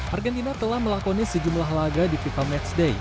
argentina telah melakoni sejumlah laga di fifa matchday